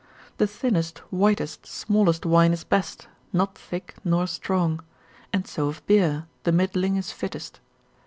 The thinnest, whitest, smallest wine is best, not thick, nor strong; and so of beer, the middling is fittest.